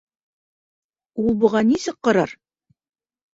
Ул быға нисек ҡарар?!